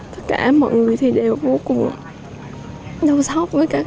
tất cả mọi người đều vô cùng đau sốc